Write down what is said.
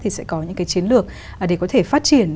thì sẽ có những cái chiến lược để có thể phát triển